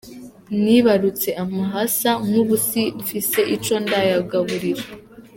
Nibarutse amahasa, nkubu si mfise ico ndayagaburira.